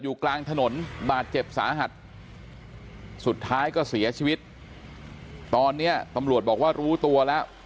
กลางถนนบาดเจ็บสาหัสสุดท้ายก็เสียชีวิตตอนนี้ตำรวจบอกว่ารู้ตัวแล้ว